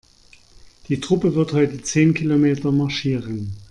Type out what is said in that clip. Die Truppe wird heute zehn Kilometer marschieren.